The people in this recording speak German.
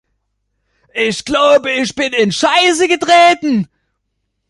Ich glaube, ich bin in Scheiße getreten.